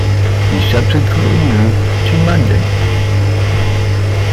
He subsequently moved to London.